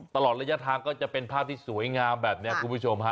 ตลอดระยะทางก็จะเป็นภาพที่สวยงามแบบนี้คุณผู้ชมฮะ